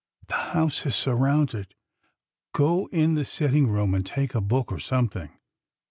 " The house is surrounded. Go in the sit ting room and take a book or something.